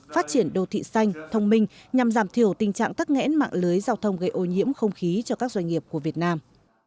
phát triển đô thị xanh thông minh nhằm giảm thiểu tình trạng tắc nghẽn mạng lưới giao thông gây ô nhiễm không khí cho các doanh nghiệp của việt nam